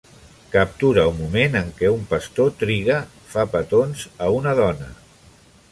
Captura un moment en què un pastor triga fa petons a una dona.